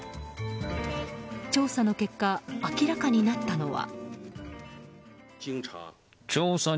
調査の結果明らかになったのは。